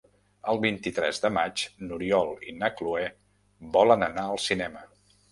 El vint-i-tres de maig n'Oriol i na Cloè volen anar al cinema.